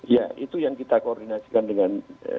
ya itu yang kita koordinasikan dengan